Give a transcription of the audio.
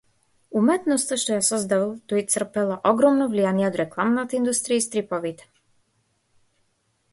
Уметноста што ја создавал тој црпела огромно влијание од рекламната индустрија и стриповите.